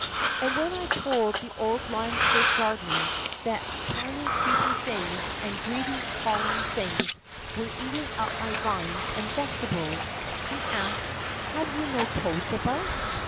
And when I told the old landscape gardener that tiny creeping things and greedy crawling things were eating up my vines and vegetables, he asked, ^ Have you no toads about